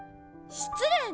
しつれいね！